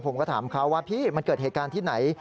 ผมก็ถามเขาว่าพี่มันเกิดเหตุการณ์ที่ไหน